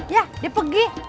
ya dia pergi